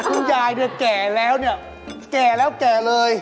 คือยายเนี่ยแก่แล้วเนี่ยแก่แล้วแก่เลย